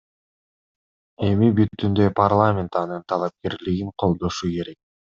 Эми бүтүндөй парламент анын талапкерлигин колдошу керек.